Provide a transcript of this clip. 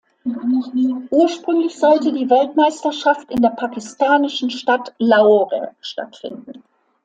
Ursprünglich sollte die Weltmeisterschaft in der pakistanischen Stadt Lahore stattfinden.